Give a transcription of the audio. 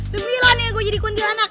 lu bilang ya gue jadi kuntilanak